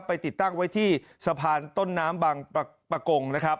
ติดตั้งไว้ที่สะพานต้นน้ำบางประกงนะครับ